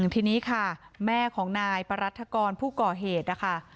ทีนี้ค่ะแม่ของนายปรัฐกรผู้ก่อเหตุนะคะ